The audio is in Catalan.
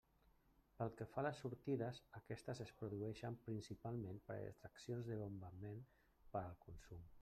Pel que fa a les sortides, aquestes es produeixen principalment per extraccions de bombament per al consum.